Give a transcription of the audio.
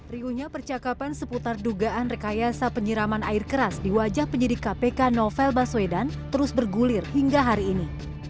riunya percakapan seputar dugaan rekayasa penyiraman air keras di wajah penyidik kpk novel baswedan terus bergulir hingga hari ini